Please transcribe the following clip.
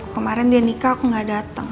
kemarin dia nikah aku gak datang